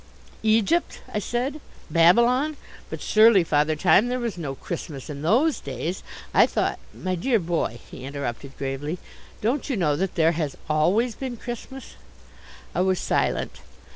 "Egypt?" I said. "Babylon? But surely, Father Time, there was no Christmas in those days. I thought " "My dear boy," he interrupted gravely, "don't you know that there has always been Christmas?" I was silent.